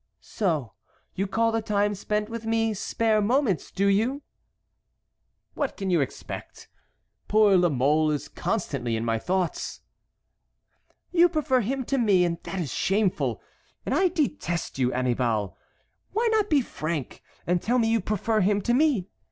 "So you call the time spent with me spare moments, do you?" "What can you expect? Poor La Mole is constantly in my thoughts." "You prefer him to me; that is shameful! and I detest you, Annibal! Why not be frank, and tell me you prefer him to me?